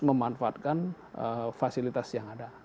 memanfaatkan fasilitas yang ada